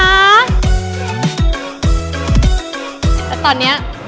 แล้วตอนนี้